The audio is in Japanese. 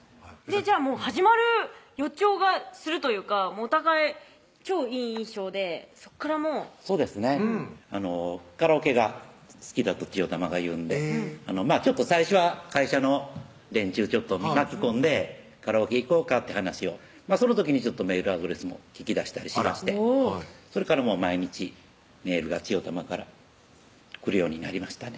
じゃあ始まる予兆がするというかお互い超いい印象でそこからもうそうですね「カラオケが好きだ」とちよたまが言うんで最初は会社の連中巻き込んでカラオケ行こうかって話をその時にメールアドレスも聞き出したりしましてそれから毎日メールがちよたまから来るようになりましたね